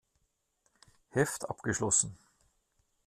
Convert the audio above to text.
Heft abgeschlossen.